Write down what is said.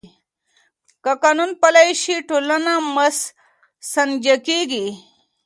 که قانون پلی شي، ټولنه منسجمه کېږي.